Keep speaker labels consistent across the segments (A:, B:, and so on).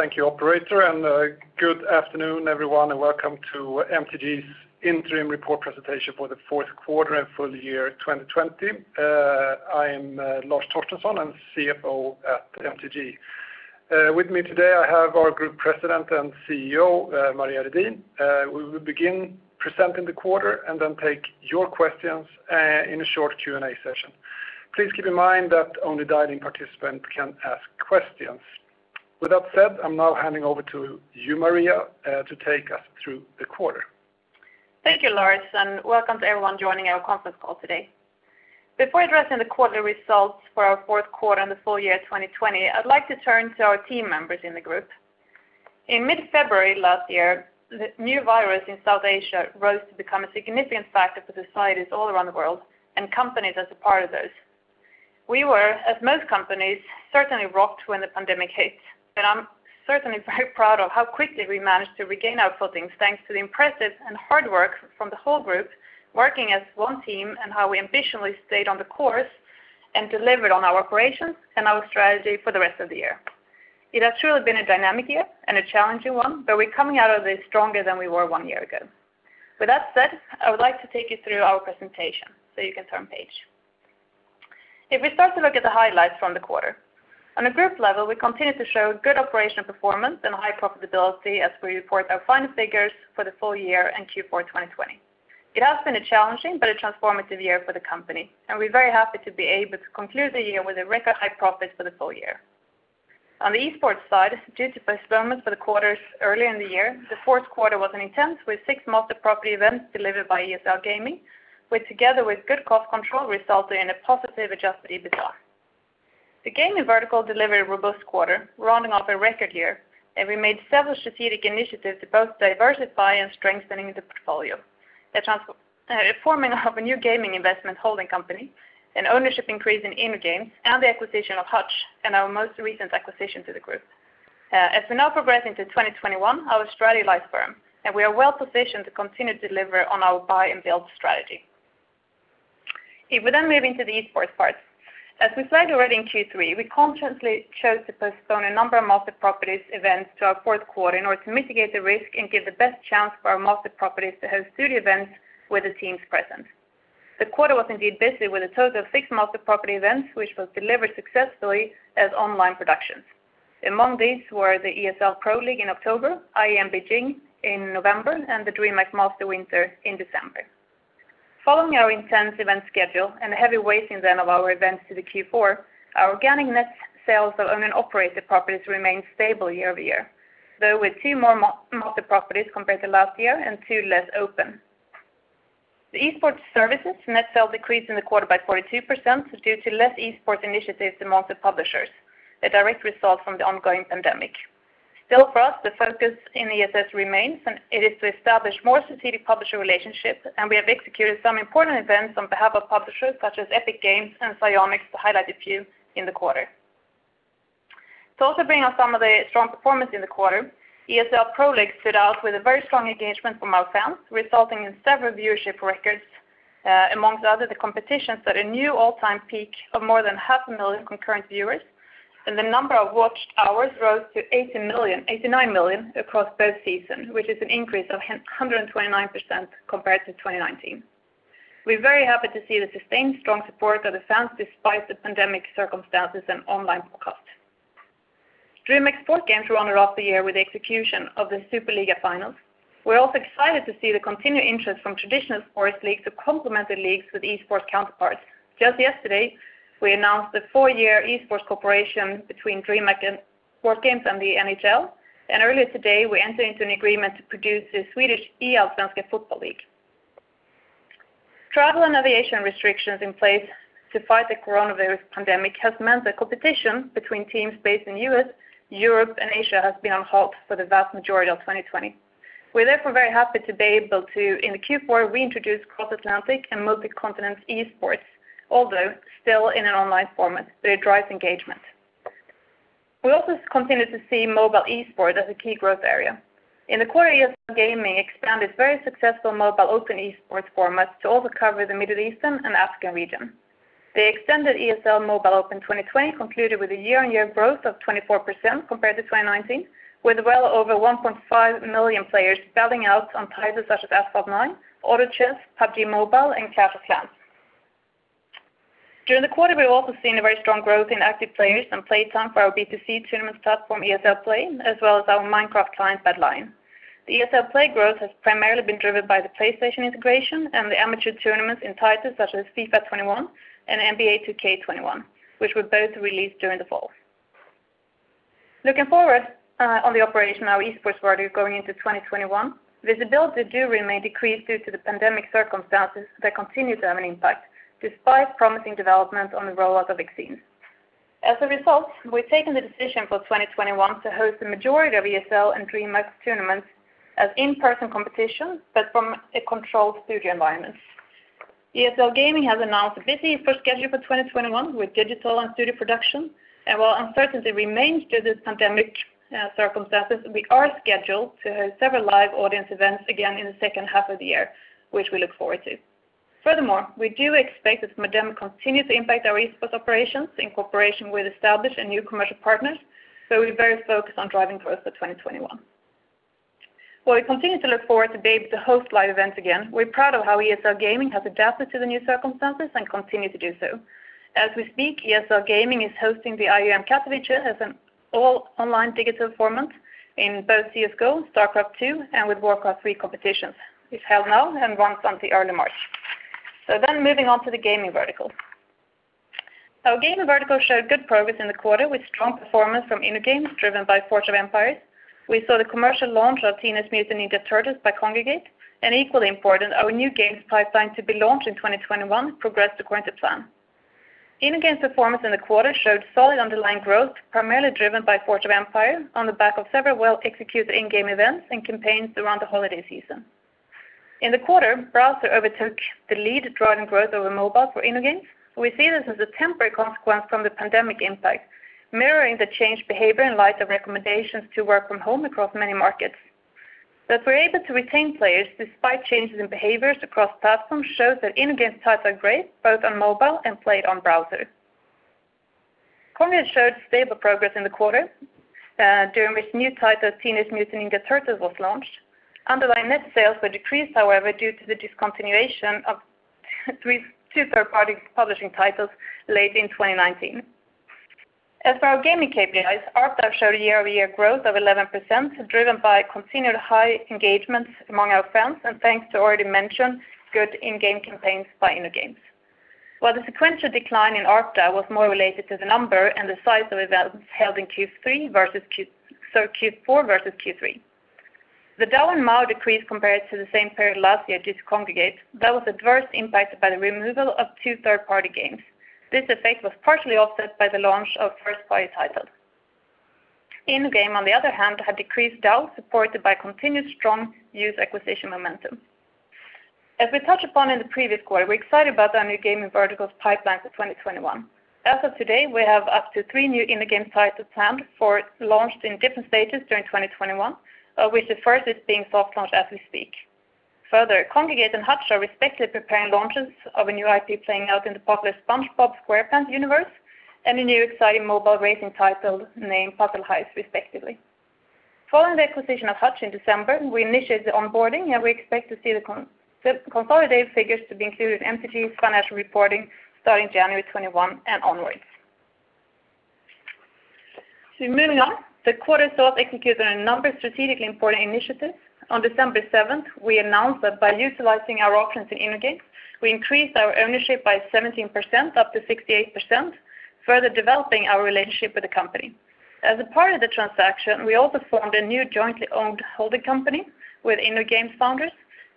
A: Thank you operator. Good afternoon everyone, and welcome to MTG's interim report presentation for the fourth quarter and full year 2020. I am Lars Torstensson. I'm CFO at MTG. With me today I have our Group President and CEO, Maria Redin. We will begin presenting the quarter and then take your questions in a short Q&A session. Please keep in mind that only dialing participants can ask questions. With that said, I'm now handing over to you, Maria, to take us through the quarter.
B: Thank you, Lars, and welcome to everyone joining our conference call today. Before addressing the quarterly results for our fourth quarter and the full year 2020, I'd like to turn to our team members in the Group. In mid-February last year, the new virus in South Asia rose to become a significant factor for societies all around the world. Companies as a part of those. We were, as most companies, certainly rocked when the pandemic hit, and I'm certainly very proud of how quickly we managed to regain our footing thanks to the impressive and hard work from the whole Group working as one team, and how we ambitiously stayed on the course and delivered on our operations and our strategy for the rest of the year. It has truly been a dynamic year and a challenging one, but we're coming out of this stronger than we were one year ago. With that said, I would like to take you through our presentation, so you can turn page. If we start to look at the highlights from the quarter, on a group level, we continue to show good operational performance and high profitability as we report our final figures for the full year and Q4 2020. It has been a challenging but a transformative year for the company, and we're very happy to be able to conclude the year with a record high profit for the full year. On the esports side, due to postponements for the quarters earlier in the year, the fourth quarter was intense with six multi-property events delivered by ESL Gaming, which together with good cost control resulted in a positive adjusted EBITDA. The gaming vertical delivered a robust quarter, rounding off a record year, and we made several strategic initiatives to both diversify and strengthening the portfolio. The forming of a new gaming investment holding company, an ownership increase in InnoGames, and the acquisition of Hutch, and our most recent acquisition to the group. As we now progress into 2021, our strategy lies firm, and we are well-positioned to continue to deliver on our buy and build strategy. If we then move into the esports part, as we said already in Q3, we consciously chose to postpone a number of marquee property events to our fourth quarter in order to mitigate the risk and give the best chance for our marquee properties to host studio events with the teams present. The quarter was indeed busy with a total of six marquee property events, which was delivered successfully as online productions. Among these were the ESL Pro League in October, IEM Beijing in November, and the DreamHack Masters Winter in December. Following our intense event schedule and the heavy weighting then of our events to the Q4, our organic net sales of owned and operated properties remained stable year-over-year, though with two more multi-properties compared to last year and two less open. The esports services net sale decreased in the quarter by 42% due to less esports initiatives amongst the publishers, a direct result from the ongoing pandemic. For us, the focus in ESS remains, and it is to establish more strategic publisher relationships, and we have executed some important events on behalf of publishers such as Epic Games and Psyonix to highlight a few in the quarter. To also bring up some of the strong performance in the quarter, ESL Pro League stood out with a very strong engagement from our fans, resulting in several viewership records. Amongst other, the competition set a new all-time peak of more than half a million concurrent viewers, and the number of watched hours rose to 89 million across both seasons, which is an increase of 129% compared to 2019. We're very happy to see the sustained strong support of the fans despite the pandemic circumstances and online broadcast. DreamHack Sports Games rounded off the year with the execution of the Superliga finals. We're also excited to see the continued interest from traditional sports leagues to complement the leagues with esports counterparts. Just yesterday, we announced the four-year esports cooperation between DreamHack Sports Games and the NHL, and earlier today we entered into an agreement to produce the Swedish eAllsvenskan Football League. Travel and aviation restrictions in place to fight the coronavirus pandemic has meant the competition between teams based in the U.S., Europe, and Asia has been on halt for the vast majority of 2020. We're therefore very happy to be able to, in the Q4, reintroduce cross-Atlantic and multi-continent esports, although still in an online format, but it drives engagement. We also continue to see mobile esports as a key growth area. In the quarter year, ESL Gaming expanded very successful mobile open esports formats to also cover the Middle Eastern and African region. The extended ESL Mobile Open 2020 concluded with a year-on-year growth of 24% compared to 2019, with well over 1.5 million players battling it out on titles such as Asphalt 9, Auto Chess, PUBG Mobile, and Clash of Clans. During the quarter, we've also seen a very strong growth in active players and play time for our B2C tournaments platform, ESL Play, as well as our Minecraft client, Bedrock. The ESL Play growth has primarily been driven by the PlayStation integration and the amateur tournaments in titles such as FIFA 21 and NBA 2K21, which were both released during the fall. Looking forward on the operation of our esports quarter going into 2021, visibility do remain decreased due to the pandemic circumstances that continue to have an impact despite promising developments on the rollout of vaccines. We've taken the decision for 2021 to host the majority of ESL and DreamHack tournaments as in-person competitions, but from a controlled studio environment. ESL Gaming has announced a busy first schedule for 2021 with digital and studio production, while uncertainty remains due to this pandemic circumstances, we are scheduled to host several live audience events again in the second half of the year, which we look forward to. We do expect this momentum to continue to impact our esports operations in cooperation with established and new commercial partners. We're very focused on driving growth for 2021. While we continue to look forward to being able to host live events again, we're proud of how ESL Gaming has adapted to the new circumstances and continue to do so. As we speak, ESL Gaming is hosting the IEM Katowice as an all online digital format in both CS:GO, StarCraft II, and with Warcraft III competitions, which held now and runs until early March. Moving on to the gaming vertical. Our gaming vertical showed good progress in the quarter with strong performance from InnoGames, driven by Forge of Empires. We saw the commercial launch of Teenage Mutant Ninja Turtles by Kongregate, and equally important, our new games pipeline to be launched in 2021 progressed according to plan. InnoGames performance in the quarter showed solid underlying growth, primarily driven by Forge of Empires on the back of several well-executed in-game events and campaigns around the holiday season. In the quarter, browser overtook the lead driving growth over mobile for InnoGames. We see this as a temporary consequence from the pandemic impact, mirroring the changed behavior in light of recommendations to work from home across many markets. That we're able to retain players despite changes in behaviors across platforms showed that InnoGames titles are great, both on mobile and played on browser. Kongregate showed stable progress in the quarter, during which new title Teenage Mutant Ninja Turtles was launched. Underlying net sales were decreased, however, due to the discontinuation of two third-party publishing titles late in 2019. As for our gaming KPIs, ARPDAU showed a year-over-year growth of 11%, driven by continued high engagement among our fans, and thanks to already mentioned good in-game campaigns by InnoGames. The sequential decline in ARPDAU was more related to the number and the size of events held in Q4 versus Q3. The DAU and MAU decreased compared to the same period last year due to Kongregate, that was adverse impacted by the removal of two third-party games. This effect was partially offset by the launch of first-party titles. InnoGames, on the other hand, had decreased DAU, supported by continued strong user acquisition momentum. As we touched upon in the previous quarter, we're excited about our new gaming vertical's pipeline for 2021. As of today, we have up to three new InnoGames titles planned for launch in different stages during 2021, with the first is being soft launched as we speak. Further, Kongregate and Hutch are respectively preparing launches of a new IP playing out in the popular SpongeBob SquarePants universe, and a new exciting mobile racing title named Puzzle Heist, respectively. Following the acquisition of Hutch in December, we initiated the onboarding. We expect to see the consolidated figures to be included in MTG's financial reporting starting January 2021 and onwards. Moving on, the quarter saw us executing a number of strategically important initiatives. On December 7th, we announced that by utilizing our options in InnoGames, we increased our ownership by 17%, up to 68%, further developing our relationship with the company. As a part of the transaction, we also formed a new jointly owned holding company with InnoGames founders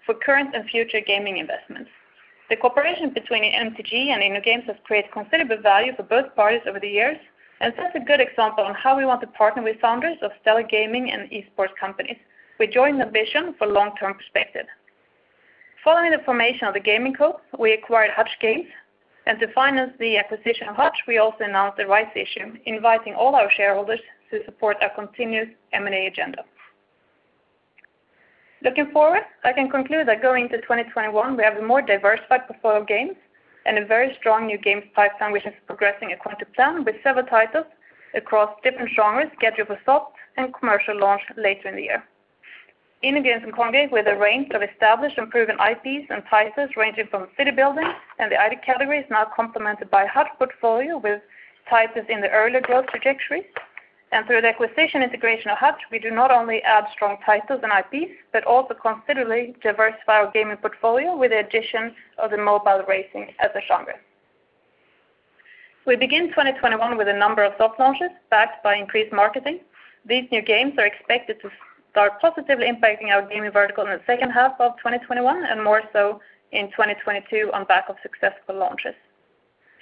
B: for current and future gaming investments. The cooperation between MTG and InnoGames has created considerable value for both parties over the years, and sets a good example on how we want to partner with founders of stellar gaming and esports companies. We join the vision for long-term perspective. Following the formation of the gaming group, we acquired Hutch Games. To finance the acquisition of Hutch, we also announced a rights issue, inviting all our shareholders to support our continuous M&A agenda. Looking forward, I can conclude that going into 2021, we have a more diversified portfolio of games and a very strong new games pipeline which is progressing according to plan with several titles across different genres scheduled for soft and commercial launch later in the year. InnoGames and Kongregate, with a range of established and proven IPs and titles ranging from city-building and the idle category, is now complemented by Hutch portfolio with titles in the earlier growth trajectories. Through the acquisition integration of Hutch, we do not only add strong titles and IPs, but also considerably diversify our gaming portfolio with the addition of the mobile racing as a genre. We begin 2021 with a number of soft launches backed by increased marketing. These new games are expected to start positively impacting our gaming vertical in the second half of 2021 and more so in 2022 on back of successful launches.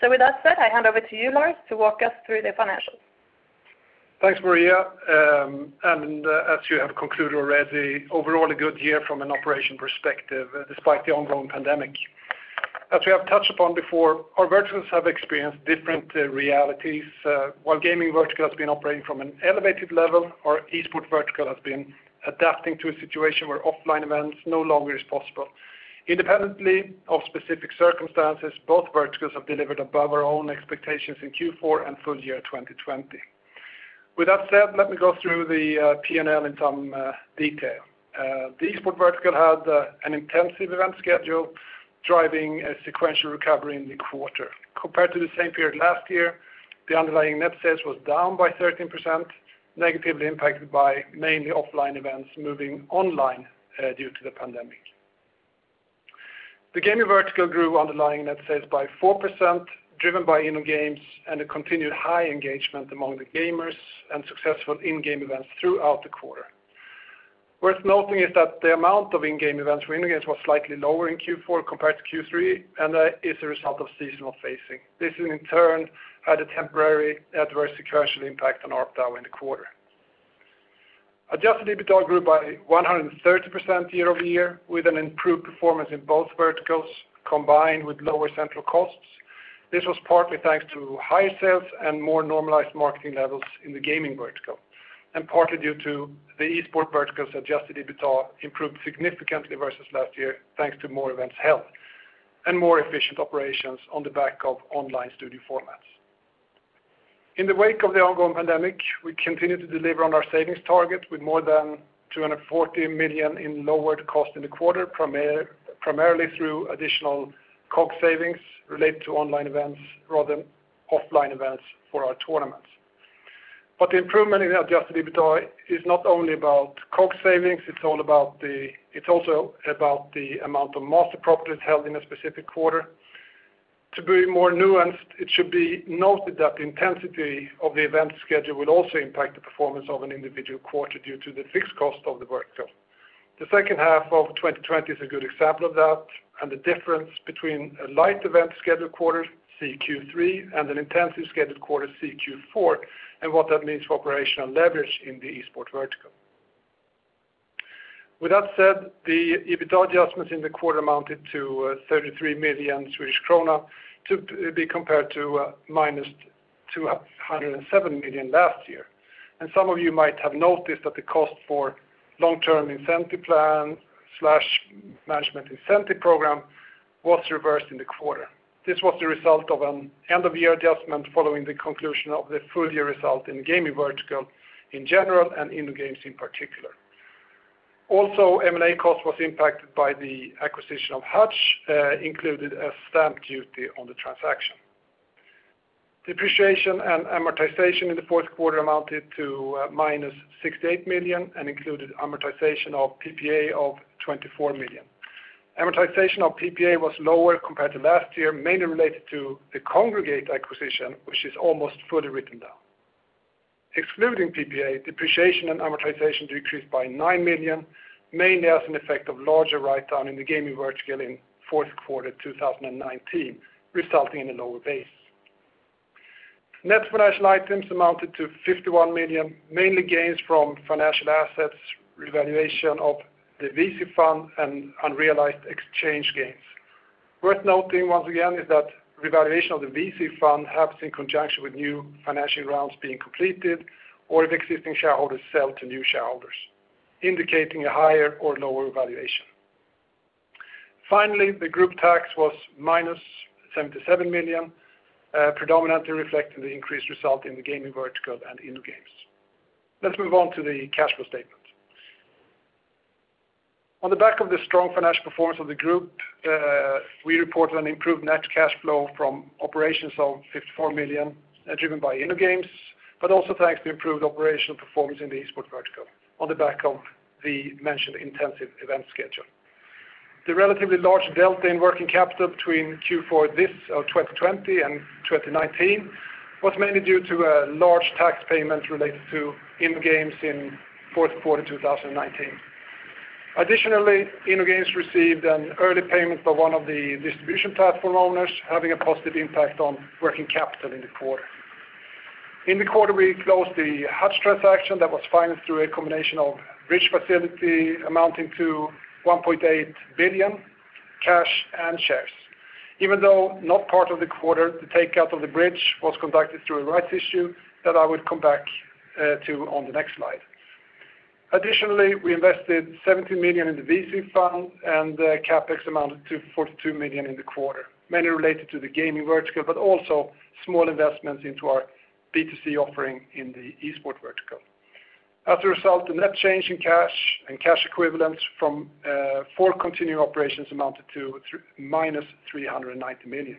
B: With that said, I hand over to you, Lars, to walk us through the financials.
A: Thanks, Maria. As you have concluded already, overall a good year from an operation perspective despite the ongoing pandemic. As we have touched upon before, our verticals have experienced different realities. While gaming vertical has been operating from an elevated level, our esports vertical has been adapting to a situation where offline events no longer is possible. Independently of specific circumstances, both verticals have delivered above our own expectations in Q4 and full year 2020. With that said, let me go through the P&L in some detail. The esports vertical had an intensive event schedule, driving a sequential recovery in the quarter. Compared to the same period last year, the underlying net sales was down by 13%, negatively impacted by mainly offline events moving online due to the pandemic. The gaming vertical grew underlying net sales by 4%, driven by InnoGames and a continued high engagement among the gamers and successful in-game events throughout the quarter. Worth noting is that the amount of in-game events for InnoGames was slightly lower in Q4 compared to Q3. That is a result of seasonal phasing. This, in turn, had a temporary adverse sequential impact on ARPDAU in the quarter. Adjusted EBITDA grew by 130% year-over-year, with an improved performance in both verticals, combined with lower central costs. This was partly thanks to higher sales and more normalized marketing levels in the gaming vertical, and partly due to the esports vertical's adjusted EBITA improved significantly versus last year, thanks to more events held and more efficient operations on the back of online studio formats. In the wake of the ongoing pandemic, we continue to deliver on our savings target with more than 240 million in lowered cost in the quarter, primarily through additional COGS savings related to online events rather than offline events for our tournaments. The improvement in adjusted EBITA is not only about COGS savings, it's also about the amount of marquee properties held in a specific quarter. To be more nuanced, it should be noted that the intensity of the event schedule will also impact the performance of an individual quarter due to the fixed cost of the vertical. The second half of 2020 is a good example of that, and the difference between a light event schedule quarter, see Q3, and an intensive scheduled quarter, see Q4, and what that means for operational leverage in the esports vertical. With that said, the EBITA adjustments in the quarter amounted to 33 million Swedish krona to be compared to -207 million last year. Some of you might have noticed that the cost for long-term incentive plan/management incentive program was reversed in the quarter. This was the result of an end-of-year adjustment following the conclusion of the full-year result in gaming vertical in general, and InnoGames in particular. Also, M&A cost was impacted by the acquisition of Hutch, included a stamp duty on the transaction. Depreciation and amortization in the fourth quarter amounted to minus 68 million and included amortization of PPA of 24 million. Amortization of PPA was lower compared to last year, mainly related to the Kongregate acquisition, which is almost fully written down. Excluding PPA, depreciation and amortization decreased by 9 million, mainly as an effect of larger write-down in the gaming vertical in fourth quarter 2019, resulting in a lower base. Net financial items amounted to 51 million, mainly gains from financial assets, revaluation of the VC fund, and unrealized exchange gains. Worth noting once again is that revaluation of the VC fund happens in conjunction with new financial rounds being completed, or if existing shareholders sell to new shareholders, indicating a higher or lower valuation. Finally, the group tax was minus 77 million, predominantly reflecting the increased result in the gaming vertical and InnoGames. Let's move on to the cash flow statement. On the back of the strong financial performance of the group, we report an improved net cash flow from operations of 54 million, driven by InnoGames, also thanks to improved operational performance in the esports vertical on the back of the mentioned intensive event schedule. The relatively large delta in working capital between Q4 2020 and 2019 was mainly due to a large tax payment related to InnoGames in fourth quarter 2019. Additionally, InnoGames received an early payment by one of the distribution platform owners, having a positive impact on working capital in the quarter. In the quarter, we closed the Hutch transaction that was financed through a combination of bridge facility amounting to 1.8 billion cash and shares. Even though not part of the quarter, the takeout of the bridge was conducted through a rights issue that I will come back to on the next slide. Additionally, we invested 17 million in the VC fund and the CapEx amounted to 42 million in the quarter, mainly related to the gaming vertical, but also small investments into our B2C offering in the esports vertical. As a result, the net change in cash and cash equivalents from for continuing operations amounted to minus 390 million.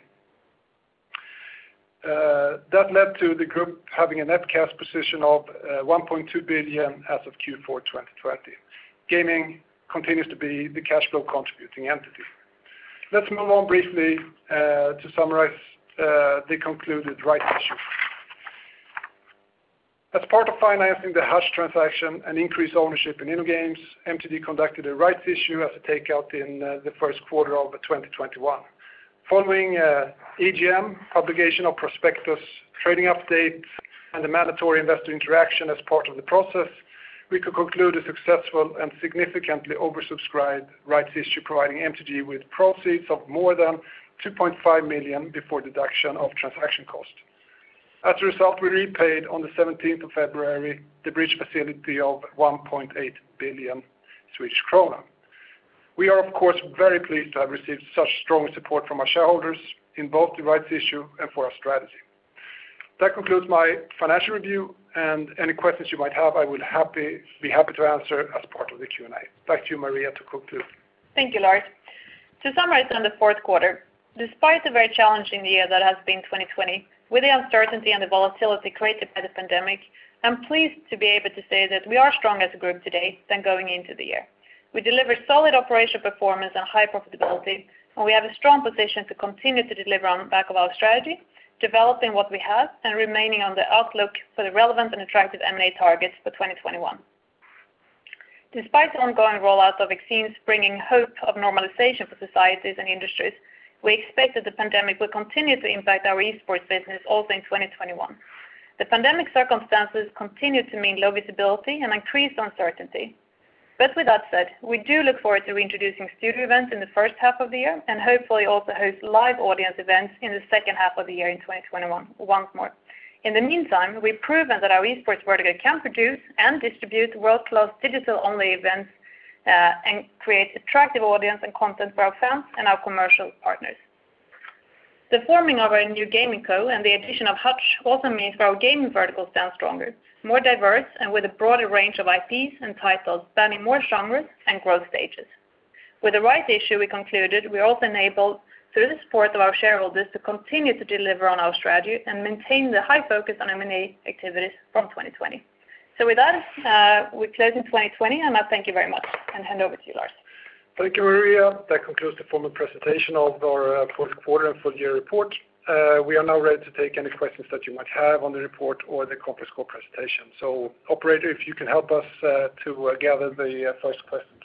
A: That led to the group having a net cash position of 1.2 billion as of Q4 2020. Gaming continues to be the cash flow contributing entity. Let's move on briefly to summarize the concluded rights issue. As part of financing the Hutch transaction and increase ownership in InnoGames, MTG conducted a rights issue as a takeout in the first quarter of 2021. Following EGM publication of prospectus, trading update, and the mandatory investor interaction as part of the process, we could conclude a successful and significantly oversubscribed rights issue providing MTG with proceeds of more than 2.5 million, before deduction of transaction cost. As a result, we repaid on the 17th of February the bridge facility of 1.8 billion Swedish krona. We are, of course, very pleased to have received such strong support from our shareholders in both the rights issue and for our strategy. That concludes my financial review. Any questions you might have, I will be happy to answer as part of the Q&A. Back to you, Maria, to conclude.
B: Thank you, Lars. To summarize on the fourth quarter, despite the very challenging year that has been 2020, with the uncertainty and the volatility created by the pandemic, I'm pleased to be able to say that we are stronger as a group today than going into the year. We delivered solid operational performance and high profitability, and we have a strong position to continue to deliver on the back of our strategy, developing what we have and remaining on the outlook for the relevant and attractive M&A targets for 2021. Despite the ongoing rollout of vaccines bringing hope of normalization for societies and industries, we expect that the pandemic will continue to impact our esports business also in 2021. The pandemic circumstances continue to mean low visibility and increased uncertainty. With that said, we do look forward to introducing studio events in the first half of the year, and hopefully also host live audience events in the second half of the year in 2021 once more. In the meantime, we've proven that our esports vertical can produce and distribute world-class digital-only events, and create attractive audience and content for our fans and our commercial partners. The forming of our new gaming co and the addition of Hutch also means our gaming vertical stands stronger, more diverse, and with a broader range of IPs and titles spanning more genres and growth stages. With the rights issue we concluded, we are also enabled, through the support of our shareholders, to continue to deliver on our strategy and maintain the high focus on M&A activities from 2020. With that, we're closing 2020, and I thank you very much, and hand over to you, Lars.
A: Thank you, Maria. That concludes the formal presentation of our fourth quarter and full year report. We are now ready to take any questions that you might have on the report or the conference call presentation. Operator, if you can help us to gather the first question, please.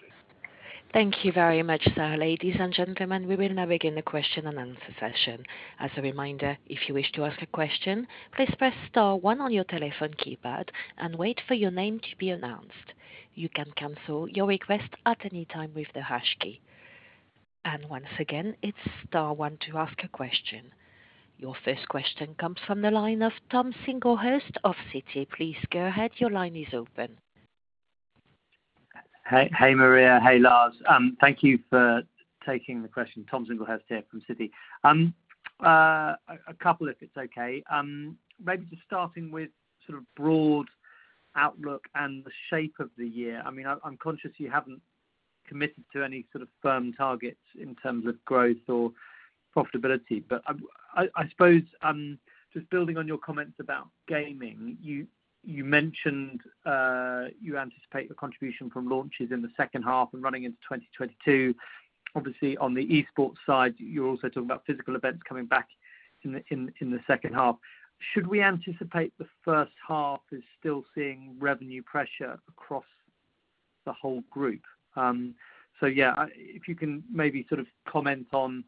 C: Thank you very much, sir. Ladies and gentlemen, we will now begin the question and answer session. Your first question comes from the line of Tom Singlehurst of Citigroup. Please go ahead. Your line is open.
D: Hey, Maria. Hey, Lars. Thank you for taking the question. Tom Singlehurst here from Citigroup. A couple, if it's okay. Maybe just starting with broad outlook and the shape of the year. I'm conscious you haven't committed to any firm targets in terms of growth or profitability, but I suppose just building on your comments about gaming, you mentioned you anticipate the contribution from launches in the second half and running into 2022. Obviously, on the esports side, you're also talking about physical events coming back in the second half. Should we anticipate the first half as still seeing revenue pressure across the whole group? If you can maybe comment on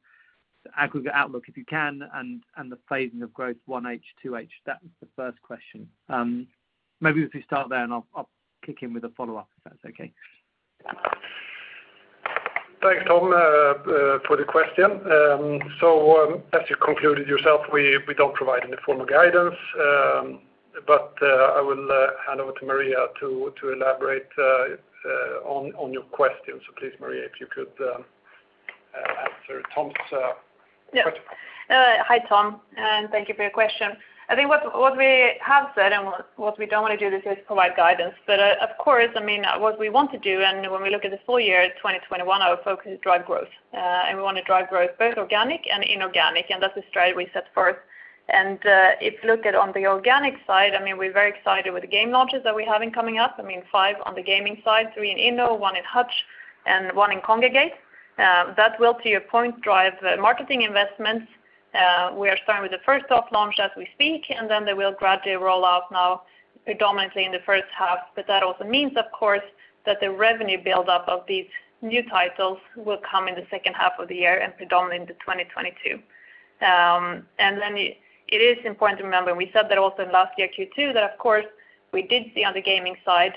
D: the aggregate outlook, if you can, and the phasing of growth 1H, 2H. That was the first question. Maybe if you start there and I'll kick in with a follow-up, if that's okay.
A: Thanks, Tom, for the question. As you concluded yourself, we don't provide any formal guidance. I will hand over to Maria to elaborate on your question. Please, Maria, if you could answer Tom's question.
B: Yeah. Hi, Tom, thank you for your question. I think what we have said and what we don't want to do is provide guidance. Of course, what we want to do, and when we look at the full year 2021, our focus is drive growth. We want to drive growth both organic and inorganic, and that's the strategy we set forth. If you look at on the organic side, we're very excited with the game launches that we have coming up. Five on the gaming side, three in Inno, one in Hutch, and one in Kongregate. That will, to your point, drive marketing investments. We are starting with the first soft launch as we speak, and then they will gradually roll out now predominantly in the first half. That also means, of course, that the revenue buildup of these new titles will come in the second half of the year and predominate into 2022. Then it is important to remember, we said that also in last year Q2, that of course, we did see on the gaming side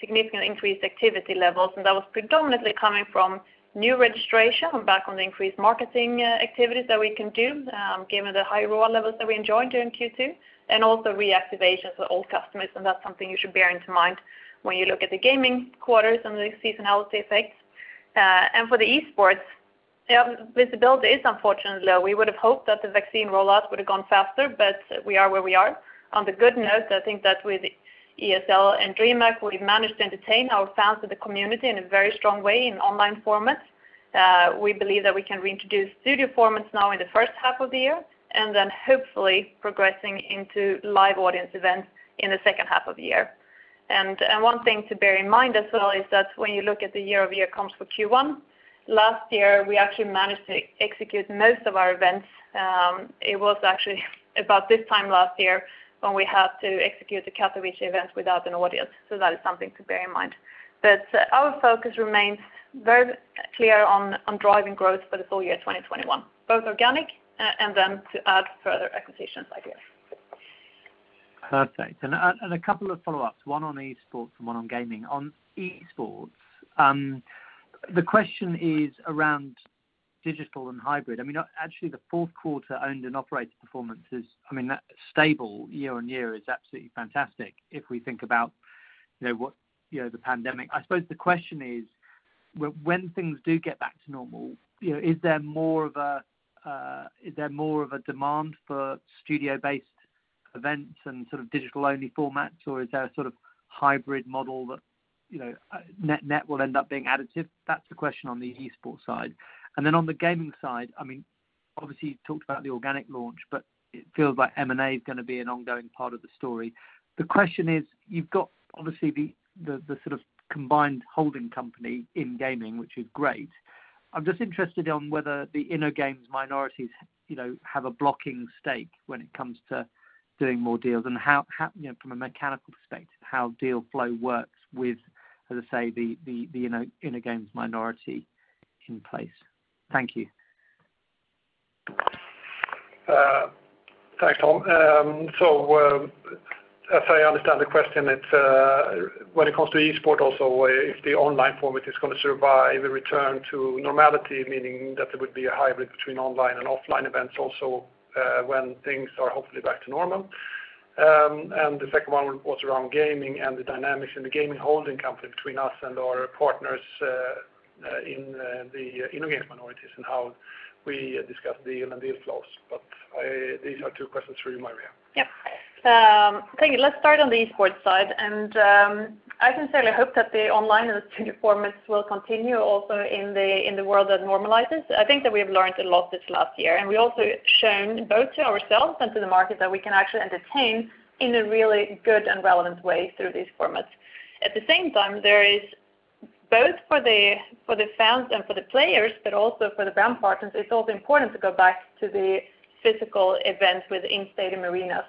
B: significant increased activity levels, and that was predominantly coming from new registration back on the increased marketing activities that we can do, given the high ROAS levels that we enjoyed during Q2, and also reactivation for old customers, and that's something you should bear into mind when you look at the gaming quarters and the seasonality effects. For the esports, visibility is unfortunately low. We would have hoped that the vaccine rollout would have gone faster, but we are where we are. On the good note, I think that with ESL and DreamHack, we've managed to entertain our fans and the community in a very strong way in online formats. We believe that we can reintroduce studio formats now in the first half of the year, and then hopefully progressing into live audience events in the second half of the year. One thing to bear in mind as well is that when you look at the year-over-year comps for Q1, last year, we actually managed to execute most of our events. It was actually about this time last year when we had to execute the Katowice event without an audience. That is something to bear in mind. Our focus remains very clear on driving growth for the full year 2021, both organic and then to add further acquisitions ideas.
D: Perfect. A couple of follow-ups, one on esports and one on gaming. On esports, the question is around digital and hybrid. Actually, the fourth quarter owned and operated performance. That stable year-on-year is absolutely fantastic if we think about the pandemic. I suppose the question is, when things do get back to normal, is there more of a demand for studio-based events and sort of digital-only formats, or is there a sort of hybrid model that net will end up being additive? That's the question on the esports side. Then on the gaming side, obviously you talked about the organic launch, but it feels like M&A is going to be an ongoing part of the story. The question is, you've got obviously the sort of combined holding company in gaming, which is great. I'm just interested on whether the InnoGames minorities have a blocking stake when it comes to doing more deals, and from a mechanical perspective, how deal flow works with, as I say, the InnoGames minority in place. Thank you.
A: As I understand the question, when it comes to esports also, if the online format is going to survive a return to normality, meaning that there would be a hybrid between online and offline events also when things are hopefully back to normal. The second one was around gaming and the dynamics in the gaming holding company between us and our partners in the InnoGames minorities and how we discuss deal and deal flows. These are two questions for you, Maria.
B: Yeah. Thank you. Let's start on the esports side. I sincerely hope that the online and the studio formats will continue also in the world that normalizes. I think that we have learned a lot this last year, and we also shown both to ourselves and to the market that we can actually entertain in a really good and relevant way through these formats. At the same time, there is both for the fans and for the players, but also for the brand partners, it's also important to go back to the physical events within stadium arenas.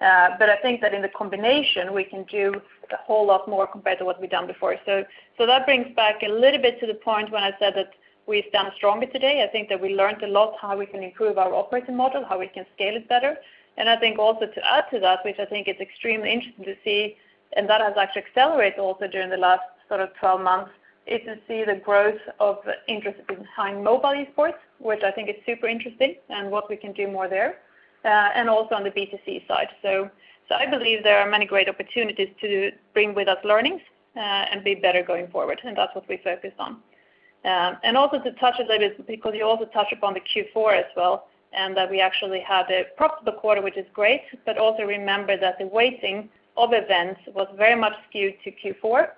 B: I think that in the combination, we can do a whole lot more compared to what we've done before. That brings back a little bit to the point when I said that we stand stronger today. I think that we learned a lot how we can improve our operating model, how we can scale it better. I think also to add to that, which I think is extremely interesting to see, and that has actually accelerated also during the last sort of 12 months, is to see the growth of interest behind mobile esports, which I think is super interesting and what we can do more there, and also on the B2C side. I believe there are many great opportunities to bring with us learnings, and be better going forward. That's what we focus on. To touch a little, because you also touched upon the Q4 as well, and that we actually had a profitable quarter, which is great, but also remember that the weighting of events was very much skewed to Q4,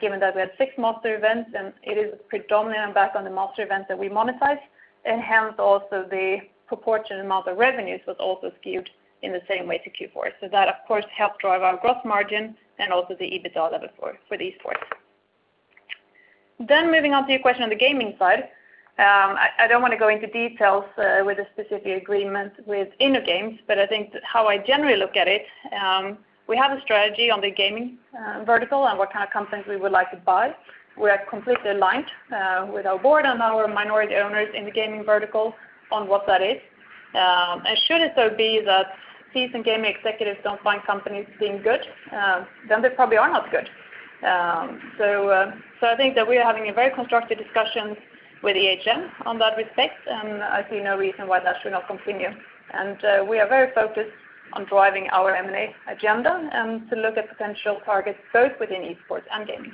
B: given that we had six marquee events and it is predominantly on back on the marquee events that we monetize, and hence also the proportion amount of revenues was also skewed in the same way to Q4. That of course helped drive our gross margin and also the EBITDA level for esports. Moving on to your question on the gaming side, I don't want to go into details with a specific agreement with InnoGames, but I think how I generally look at it, we have a strategy on the gaming vertical and what kind of companies we would like to buy. We are completely aligned with our board and our minority owners in the gaming vertical on what that is. Should it so be that seasoned gaming executives don't find companies being good, then they probably are not good. I think that we are having a very constructive discussion with EHM on that respect, and I see no reason why that should not continue. We are very focused on driving our M&A agenda and to look at potential targets both within esports and gaming.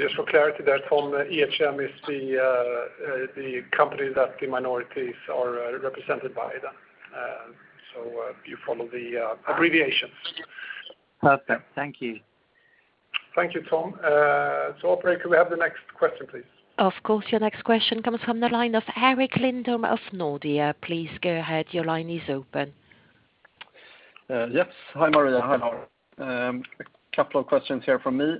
A: Just for clarity there, Tom, EHM is the company that the minorities are represented by. If you follow the abbreviations.
D: Perfect. Thank you.
A: Thank you, Tom. Operator, could we have the next question, please?
C: Of course. Your next question comes from the line of Erik Lindholm-Röjestål of Nordea. Please go ahead. Your line is open.
E: Yes. Hi, Maria.
A: Hello.
E: A couple of questions here from me.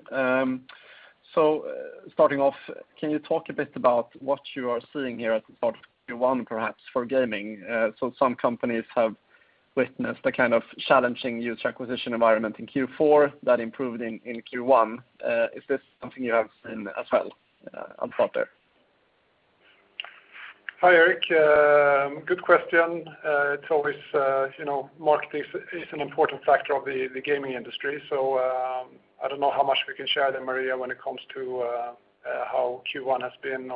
E: Starting off, can you talk a bit about what you are seeing here at the start of Q1 perhaps for gaming? Some companies have witnessed a kind of challenging user acquisition environment in Q4 that improved in Q1. Is this something you have seen as well upfront there?
A: Hi, Erik. Good question. It's always, mark, this is an important factor of the gaming industry. I don't know how much we can share there, Maria, when it comes to how Q1 has been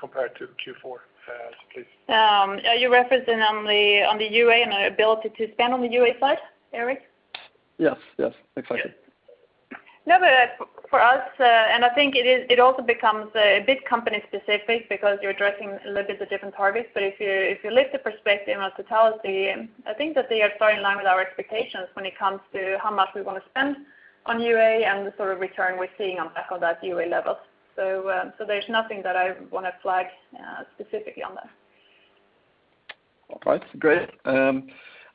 A: compared to Q4. Please.
B: Are you referencing on the UA and our ability to spend on the UA side, Erik?
E: Yes. Exactly.
B: For us, I think it also becomes a bit company specific because you're addressing a little bit of different targets, but if you look at the perspective of totality, I think that they are so in line with our expectations when it comes to how much we want to spend on UA and the sort of return we're seeing on back of that UA level. There's nothing that I want to flag specifically on there.
E: All right, great.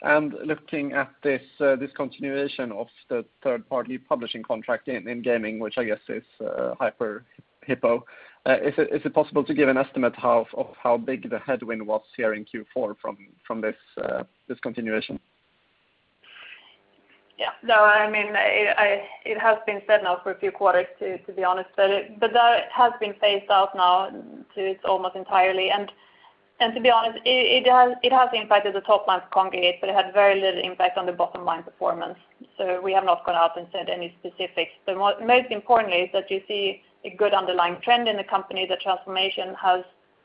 E: Looking at this discontinuation of the third-party publishing contract in gaming, which I guess is Hyper Hippo, is it possible to give an estimate of how big the headwind was here in Q4 from this discontinuation?
B: Yeah. No, it has been said now for a few quarters to be honest, but that has been phased out now to it's almost entirely, and to be honest, it has impacted the top line Kongregate, but it had very little impact on the bottom-line performance. We have not gone out and said any specifics. Most importantly is that you see a good underlying trend in the company. The transformation has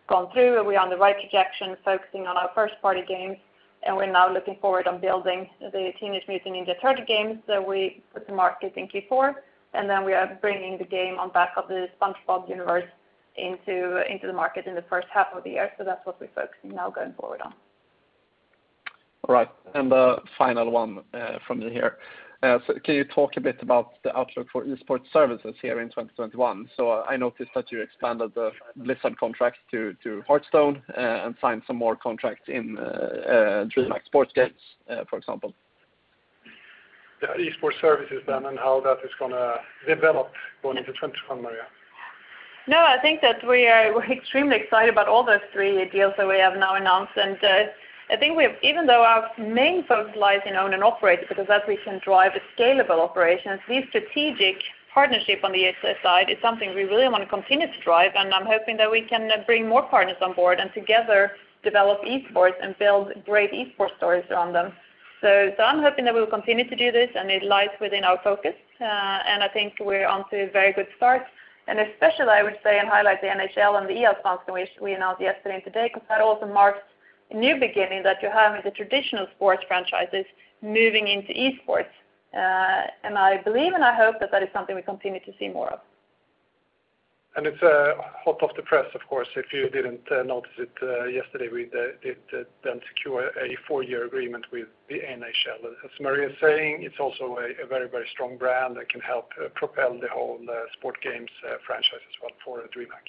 B: gone through, and we are on the right trajectory focusing on our first-party games, and we're now looking forward on building the Teenage Mutant Ninja Turtles games that we put to market in Q4, and then we are bringing the game on back of the SpongeBob universe into the market in the first half of the year. That's what we're focusing now going forward on.
E: All right. The final one from me here. Can you talk a bit about the outlook for esports services here in 2021? I noticed that you expanded the Blizzard contract to Hearthstone and signed some more contracts in DreamHack Sports Games, for example.
A: The esports services and how that is going to develop going into 2021, Maria?
B: I think that we're extremely excited about all those three deals that we have now announced, and I think even though our main focus lies in own and operate because that we can drive a scalable operation, these strategic partnership on the ESL side is something we really want to continue to drive, and I'm hoping that we can bring more partners on board and together develop esports and build great esports stories around them. I'm hoping that we'll continue to do this, and it lies within our focus. I think we're onto a very good start. Especially, I would say, and highlight the NHL and the EA sponsor, which we announced yesterday and today, because that also marks a new beginning that you have the traditional sports franchises moving into esports. I believe and I hope that that is something we continue to see more of.
A: It's hot off the press, of course, if you didn't notice it yesterday, we did then secure a 4-year agreement with the NHL. As Maria is saying, it's also a very strong brand that can help propel the whole sport games franchise as well for DreamHack.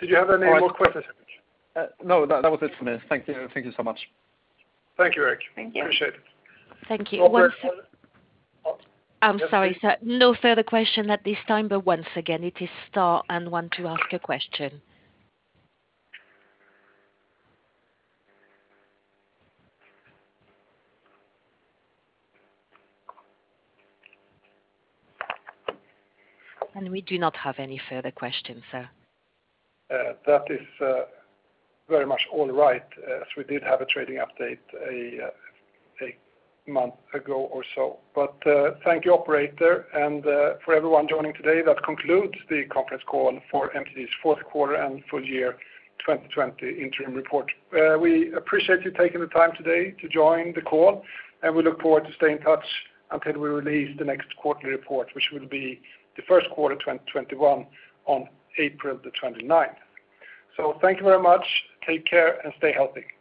A: Did you have any more questions?
E: No, that was it for me. Thank you so much.
A: Thank you, Erik.
B: Thank you.
A: Appreciate it.
C: Thank you. One second. I'm sorry, sir. No further question at this time, but once again, it is star and one to ask a question. We do not have any further questions, sir.
A: That is very much all right, as we did have a trading update a month ago or so. Thank you, operator, and for everyone joining today. That concludes the conference call for MTG's fourth quarter and full year 2020 interim report. We appreciate you taking the time today to join the call, and we look forward to staying in touch until we release the next quarterly report, which will be the first quarter 2021 on April the 29th. Thank you very much. Take care and stay healthy.